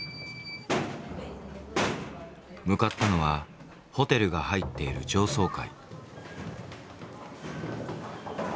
向かったのはホテルが入っている上層階。